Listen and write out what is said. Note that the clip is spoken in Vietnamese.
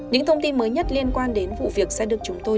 những thông tin mới nhất liên quan đến vụ việc sẽ được chúng tôi